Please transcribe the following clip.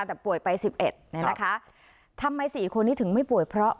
แต่ป่วยไปสิบเอ็ดเนี่ยนะคะทำไมสี่คนนี้ถึงไม่ป่วยเพราะ